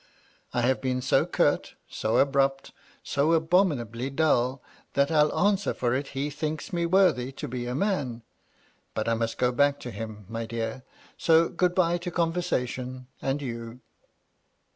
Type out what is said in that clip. I have been so curt, so abrupt, so abominably dull, that I'll answer for it he thinks me worthy to be a man. But I must go back to him, my dear, so good bye to conversation and you.'